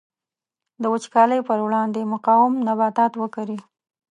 د وچکالۍ پر وړاندې مقاوم نباتات وکري.